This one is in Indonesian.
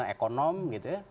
ekonom gitu ya